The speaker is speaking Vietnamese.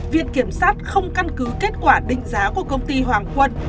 viện kiểm sát không căn cứ kết quả định giá của công ty hoàng quân